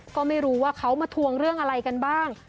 ก็ไม่รู้ว่าเขามาทวงเรื่องอะไรกันบ้าง